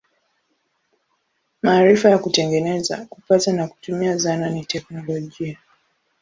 Maarifa ya kutengeneza, kupata na kutumia zana ni teknolojia.